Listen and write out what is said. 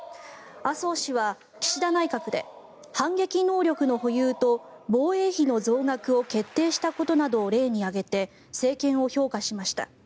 麻生氏は岸田内閣で反撃能力の保有と防衛費の増額を決定したことなどを例に挙げて政権を評価しました。